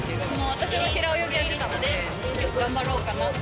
私も平泳ぎやってたので、頑張ろうかなって。